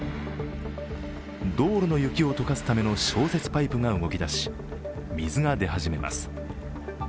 道路の雪を溶かすための消雪パイプが動きだし、水が出始めます。